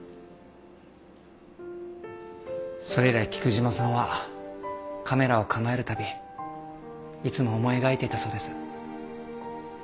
それ以来菊島さんはカメラを構えるたびいつも思い描いていたそうです。